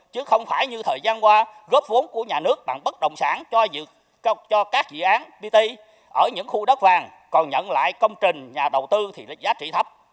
chứ không phải như thời gian qua góp vốn của nhà nước bằng bất động sản cho các dự án bt ở những khu đất vàng còn nhận lại công trình nhà đầu tư thì giá trị thấp